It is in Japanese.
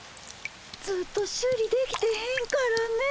ずっと修理できてへんからねえ。